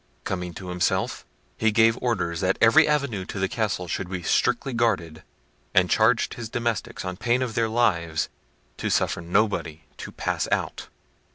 Coming to himself, he gave orders that every avenue to the castle should be strictly guarded, and charged his domestics on pain of their lives to suffer nobody to pass out.